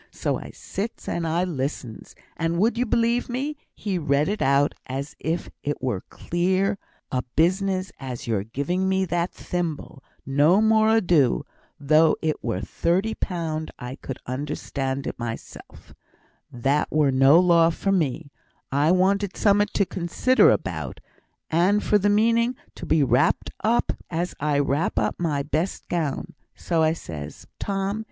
So I sits and I listens. And would you belie' me, he read it out as if it were as clear a business as your giving me that thimble no more ado, though it were thirty pound! I could understand it mysel' that were no law for me. I wanted summat to consider about, and for th' meaning to be wrapped up as I wrap up my best gown. So says I, 'Tom!